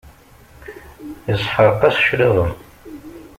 Isḥeṛq-as claɣem.